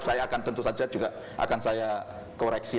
saya akan tentu saja juga akan saya koreksi